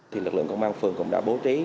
thì lực lượng công an phường cũng đã bố trí